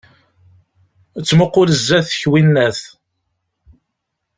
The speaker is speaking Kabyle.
Ttmuqul zdat-k, winnat!